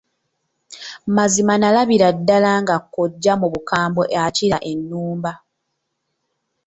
Mazima nalabira ddala nga kkojja mu bukambwe akira ennumba.